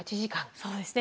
そうですね。